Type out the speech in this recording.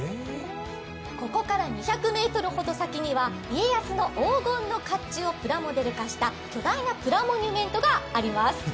ここから２００ｍ先には家康の黄金のかっちゅうをプラモデル化した巨大なプラモニュメントがあります。